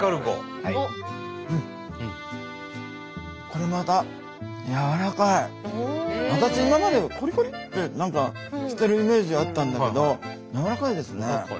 これまた私今までコリコリって何かしてるイメージあったんだけどやわらかいですね。